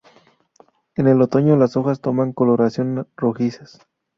En el otoño las hojas toman coloraciones rojizas.